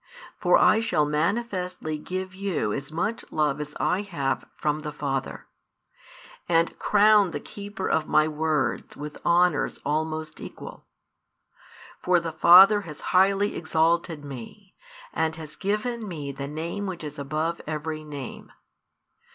For I shall manifestly give you as much love as I have from the Father; and crown the keeper of My words with honours almost equal. For the Father has highly exalted Me, and has given Me the Name which is above every name.